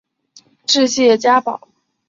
治谢家堡。